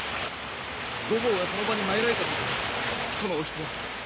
御坊がその場に参られた時そのお人は。